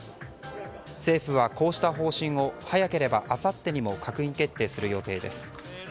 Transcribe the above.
政府はこうした方針を早ければ、あさってにも閣議決定する予定です。